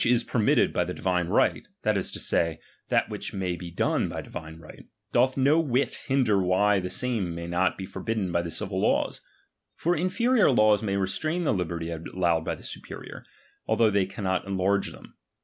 is permitted by the divine ri^ht, that is to say, that which may be done by divine right, doth no whit hinder why the same may not be forbidden by the civil lawn ; for itiferior laws may restrain the liberty allowed by the superior, although they cannot enlarge them.